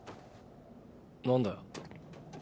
何だよ。